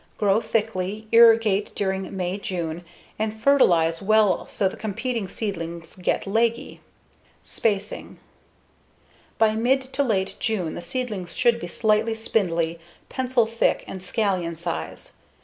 Grow thickly, irrigate during May/June, and fertilize well so the competing seedlings get leggy. Spacing: By mid to late June the seedlings should be slightly spindly, pencil thick, and scallion size.